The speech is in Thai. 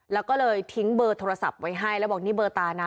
แล้วก็เลยทิ้งเบอร์โทรศัพท์ไว้ให้แล้วบอกนี่เบอร์ตานะ